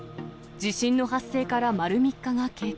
地震の発生から丸３日が経過。